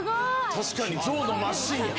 確かにゾウのマシーンや。